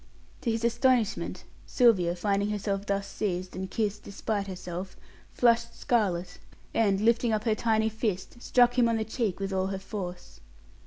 To his astonishment, Sylvia, finding herself thus seized and kissed despite herself, flushed scarlet, and, lifting up her tiny fist, struck him on the cheek with all her force.